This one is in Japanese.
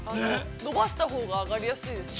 伸ばしたほうが上がりやすいですね。